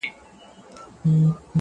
نه يې ورك سول په سرونو كي زخمونه-